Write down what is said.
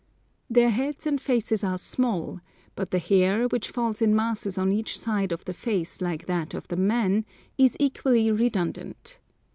Their heads and faces are small; but the hair, which falls in masses on each side of the face like that of the men, is equally redundant.